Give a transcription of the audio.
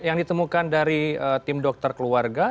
yang ditemukan dari tim dokter keluarga